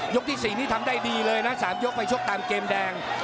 ที่๔นี่ทำได้ดีเลยนะ๓ยกไปชกตามเกมแดง